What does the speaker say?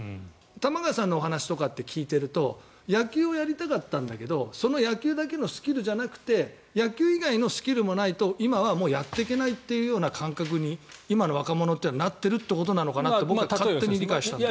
玉川さんのお話とかって聞いてると野球をやりたかったんだけどその野球だけのスキルじゃなくて野球以外のスキルもないと今はもうやっていけないという感覚に今の若者はなってるのかなという勝手に思ったんだけど。